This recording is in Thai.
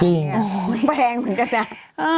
จริงโอ้ไม่แพงเหมือนกันนะเอออ้า